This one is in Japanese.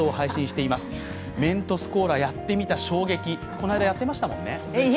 この間、やってましたもんね？